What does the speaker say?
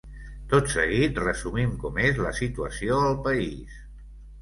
Tot seguit, resumim com és la situació al país.